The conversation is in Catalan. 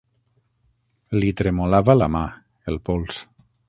Li tremolava la mà, el pols.